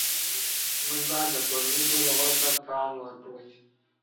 موږ باید د کورنۍ ټولو غړو ته پام وکړو